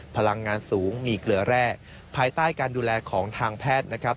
พลังงานสูงมีเกลือแร่ภายใต้การดูแลของทางแพทย์นะครับ